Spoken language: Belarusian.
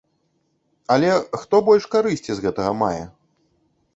Але хто больш карысці з гэтага мае?